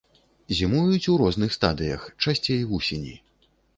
Зімуюць у розных стадыях, часцей вусені.